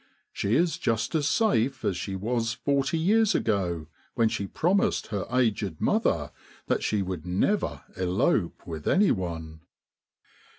She is just as safe as she was forty years ago, when she promised her aged mother that she would never elope with anyone.